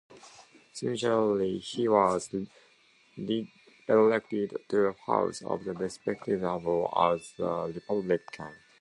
Simultaneously, he was reelected to the House of Representatives as a Republican.